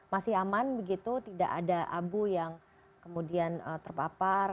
masih aman begitu tidak ada abu yang kemudian terpapar